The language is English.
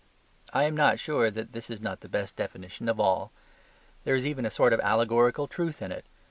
I am not sure that this is not the best definition of all. There is even a sort of allegorical truth in it.